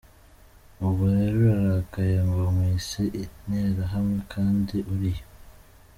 Ubwo rero urarakaye ngo nkwise interahamwe kandi uri yo.